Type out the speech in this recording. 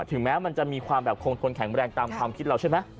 ถึงแม้มันจะมีความแบบคงทนแข็งแรงตามความคิดเราใช่ไหม